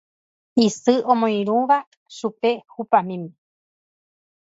Isy omoirũva chupe hupamíme